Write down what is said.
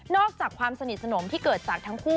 อกจากความสนิทสนมที่เกิดจากทั้งคู่